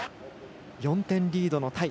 ４点リードのタイ。